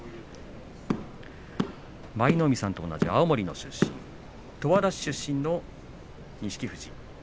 舞の海さんと同じ青森出身十和田市出身の錦富士。